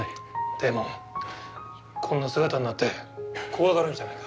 でもこんな姿になって怖がるんじゃないか。